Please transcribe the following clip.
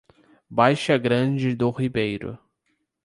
Baixa Grande do Ribeiro